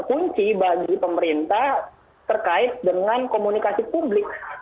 kunci bagi pemerintah terkait dengan komunikasi publik